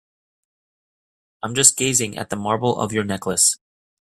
I'm just gazing at the marble of your necklace.